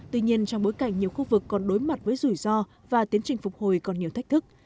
tuy nhiên trong bối cảnh nhiều khu vực còn đối mặt với rủi ro và tiến trình phục hồi còn nhiều thách thức